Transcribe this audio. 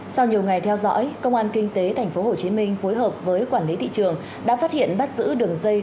sau nhiều ngày theo dõi công an kinh tế tp hcm phối hợp với quản lý thị trường đã phát hiện bắt giữ đường dây